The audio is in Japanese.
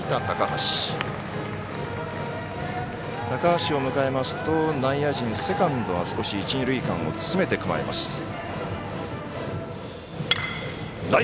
高橋を迎えますと内野陣、セカンドは少し一、二塁間を詰めて構えます。